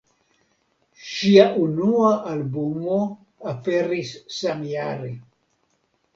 Ŝia unua albumo aperis samjare.